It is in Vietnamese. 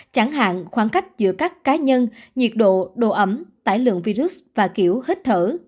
chẳng hạn khoảng cách giữa các cá nhân nhiệt độ độ ẩm tải lượng virus và kiểu hít thở